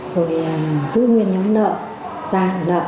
rồi giữ nguyên nhóm nợ ra ảnh nợ